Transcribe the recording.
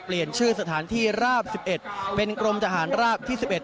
เปลี่ยนชื่อสถานที่ราบสิบเอ็ดเป็นกรมทหารราบที่สิบเอ็ด